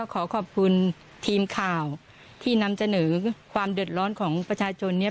ขอขอบคุณทีมข่าวที่นำเสนอความเดือดร้อนของประชาชนเนี่ย